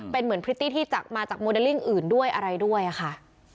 เป็นเหมือนพริตตี้ที่มาจากโมเดลลิ่งอื่นด้วยอะไรด้วยค่ะ